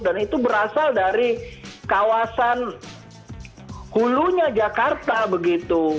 dan itu berasal dari kawasan hulunya jakarta begitu